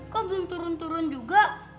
kok belum turun turun juga